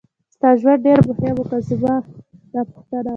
ستا ژوند ډېر مهم و که زما دا پوښتنه وه.